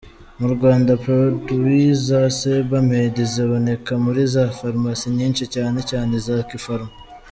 Mu Rwanda Produits za Sebamed ziboneka muri za Pharmacie nyinshi, cyane cyane iza Kipharma.